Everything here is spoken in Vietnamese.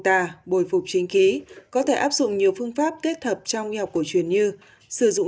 tà bồi phục chính khí có thể áp dụng nhiều phương pháp kết hợp trong nghi học cổ truyền như sử dụng